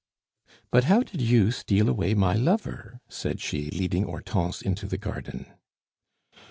"But how did you steal away my lover?" said she, leading Hortense into the garden.